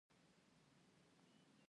پاروګانو ډېر او بې حده ستړی کړی وم.